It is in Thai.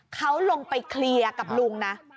เขาลงไปเคลียร์กับลุงนะ